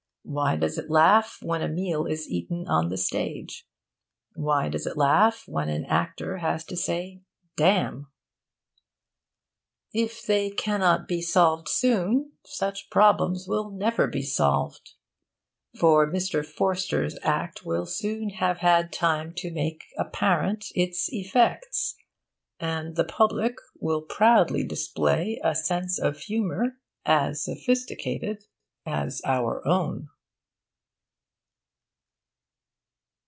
Why does it laugh when a meal is eaten on the stage? Why does it laugh when any actor has to say 'damn'? If they cannot be solved soon, such problems never will be solved. For Mr. Forster's Act will soon have had time to make apparent its effects; and the public will proudly display a sense of humour as sophisticated as our own.